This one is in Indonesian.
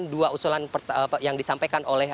dua usulan yang disampaikan oleh